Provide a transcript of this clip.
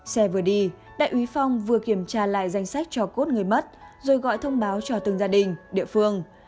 xe vừa đi đại úy phong vừa kiểm tra lại danh sách cho cốt người mất rồi gọi thông báo cho từng gia đình địa phương